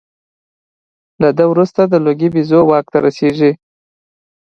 له ده وروسته د لوګي بیزو واک ته رسېږي.